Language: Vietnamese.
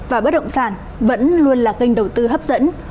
và bất động sản vẫn luôn là kênh đầu tư hấp dẫn